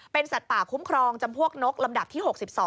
เป็นสัตว์ป่าคุ้มครองจำพวกนกลำดับที่๖๒